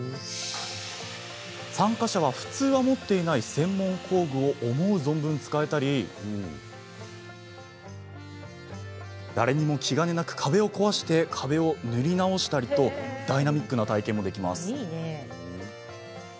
参加者は、普通は持っていない専門工具を思う存分使えたり誰にも気兼ねなく壁を壊して塗り直したりとダイナミックな体験もできます。